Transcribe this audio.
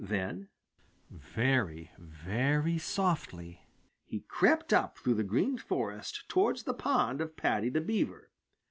Then very, very softly, he crept up through the Green Forest towards the pond of Paddy the Beaver.